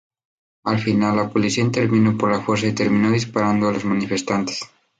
Al final, la policía intervino por la fuerza y terminó disparando a los manifestantes.